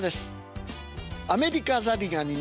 アメリカザリガニの漫才。